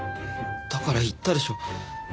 だから言ったでしょ。